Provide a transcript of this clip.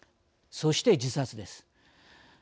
そして、自殺です。